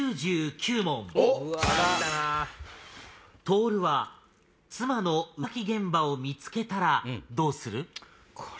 とおるは妻の浮気現場を見つけたらどうする？